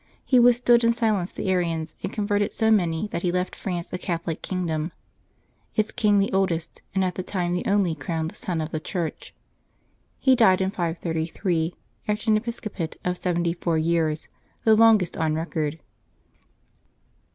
He withstood and silenced the Arians, and converted so many that he left France a Catholic kingdom, its kiiig the oldest and at the time the only crowned son of the Church. He died in 533, after an episcopate of seventy four years, the longest on record.